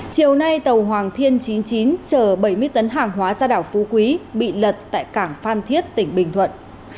chiều nay tàu hoàng thiên chín mươi chín chở bảy mươi tấn hàng hóa ra đảo phú quý bị lật tại cảng phan thiết tỉnh bình thuận